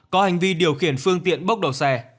có hành vi điều khiển phương tiện bốc đầu xe